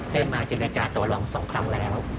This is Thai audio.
ได้มาเจรจาต่อลอง๒ครั้งแล้ว